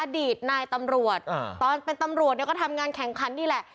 อดีตนายตำรวจตอนเป็นตำรวจเนี่ยก็ทำงานแข่งขันนี่แหละ